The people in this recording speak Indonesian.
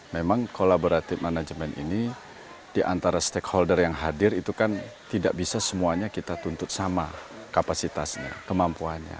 memang kolaboratif manajemen ini diantara stakeholder yang hadir itu kan tidak bisa semuanya kita tuntut sama kapasitasnya kemampuannya